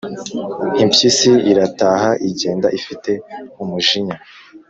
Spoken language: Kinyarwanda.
» impyisi irataha, igenda ifite umujinya,